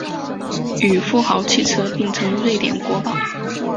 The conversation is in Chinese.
与富豪汽车并称瑞典国宝。